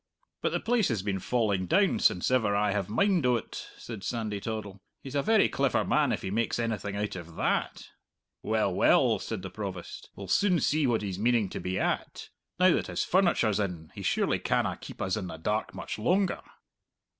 "But the place has been falling down since ever I have mind o't," said Sandy Toddle. "He's a very clever man if he makes anything out of that." "Well, well," said the Provost, "we'll soon see what he's meaning to be at. Now that his furniture's in, he surely canna keep us in the dark much loanger!"